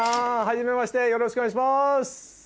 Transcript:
よろしくお願いします。